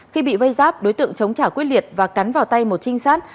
khi bị vây giáp đối tượng chống trả quyết liệt và cắn vào tay một trinh sát